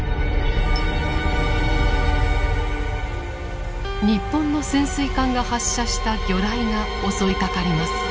日本の潜水艦が発射した魚雷が襲いかかります。